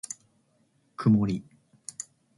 くもり